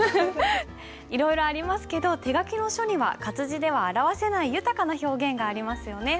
いろいろありますけど手書きの書には活字では表せない豊かな表現がありますよね。